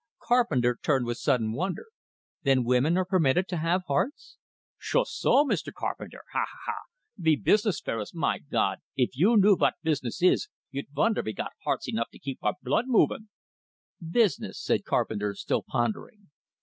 Carpenter turned with sudden wonder. "Then women are permitted to have hearts?" "Shoost so, Mr. Carpenter! Ha, ha, ha! Ve business fellers my Gawd, if you knew vot business is, you'd vunder we got hearts enough to keep our blood movin'." "Business," said Carpenter, still pondering.